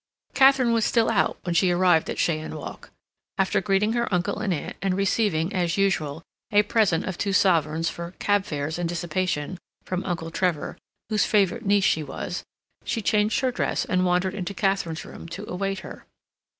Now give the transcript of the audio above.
Katharine was still out when she arrived at Cheyne Walk. After greeting her uncle and aunt and receiving, as usual, a present of two sovereigns for "cab fares and dissipation" from Uncle Trevor, whose favorite niece she was, she changed her dress and wandered into Katharine's room to await her.